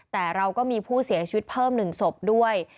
แต่เราก็มีผู้เสียชีวิตเพิ่ม๑ศพด้วย